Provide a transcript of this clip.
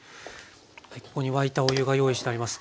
ここに沸いたお湯が用意してあります。